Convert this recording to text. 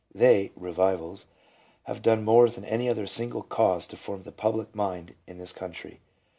they [Revivals] have done more than any other single cause to form the public mind in this coun try."